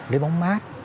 lấy bóng mát